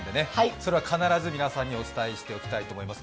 それは必ず皆さんにお伝えしていきたいと思います。